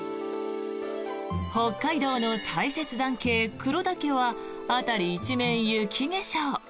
北海道の大雪山系黒岳は辺り一面、雪化粧。